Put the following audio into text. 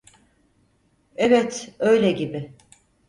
Evet, öyle gibi.